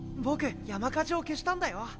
僕山火事を消したんだよ！